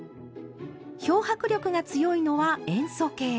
漂白力が強いのは塩素系。